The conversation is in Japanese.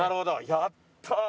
やったー！